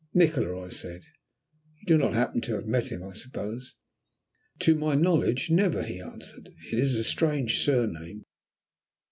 "Nikola," I said; "you do not happen to have met him, I suppose?" "To my knowledge, never," he answered. "It is a strange surname."